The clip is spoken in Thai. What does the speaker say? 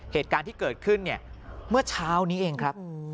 เหตุการณ์ที่เกิดขึ้นเนี่ยเมื่อเช้านี้เองครับ